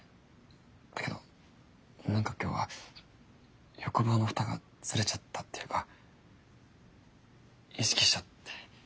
だけど何か今日は欲望の蓋がずれちゃったっていうか意識しちゃって。